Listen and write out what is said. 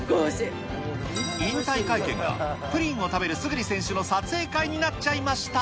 引退会見が、プリンを食べる村主選手の撮影会になっちゃいました。